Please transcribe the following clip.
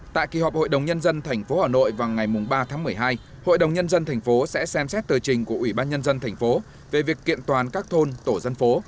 tại kỳ họp hội đồng nhân dân tp hà nội vào ngày ba tháng một mươi hai hội đồng nhân dân thành phố sẽ xem xét tờ trình của ủy ban nhân dân thành phố về việc kiện toàn các thôn tổ dân phố